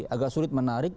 agak sulit menarik